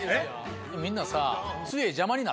みんなさ。